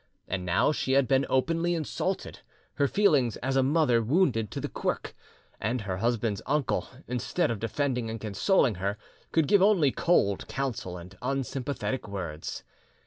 And now she had been openly insulted, her feelings as a mother wounded to the quirk; and her husband's uncle, instead of defending and consoling her, could give only cold counsel and unsympathetic words!